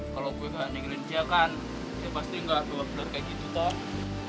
kalau gue gak nenggelenja kan dia pasti gak berpura pura kayak gitu toh